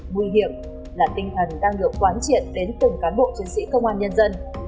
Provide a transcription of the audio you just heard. nguy hiểm là tinh thần đang được quán triển đến từng cán bộ chiến sĩ công an nhân dân